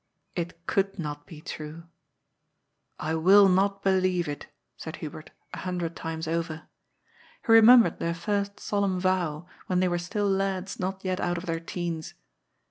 It could not be true. " I will not believe it," said Hu bert, a hundred times over. He remembered their first solemn vow, when they were still lads not yet out of their teens.